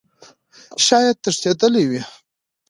شايد تښتيدلى وي .